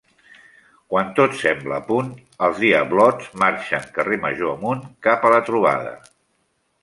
Quan tot sembla a punt, els diablots marxen carrer major amunt cap a la trobada.